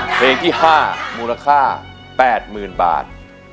เพลงที่๕มูลค่า๘๐๐๐บาท